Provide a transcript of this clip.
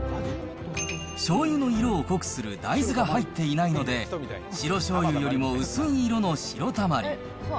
しょうゆの色を濃くする大豆が入っていないので、白しょうゆよりも薄い色のしろたまり。